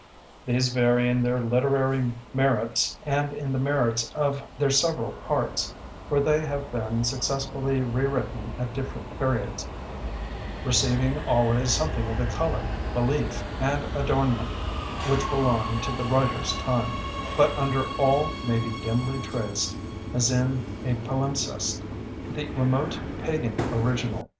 These vary in their literary merits and in the merits of their several parts, for they have been successively rewritten at different periods, receiving always something of the color, belief, and adornment which belonged to the writer's time; but under all may be dimly traced, as in a palimpsest, the remote pagan original.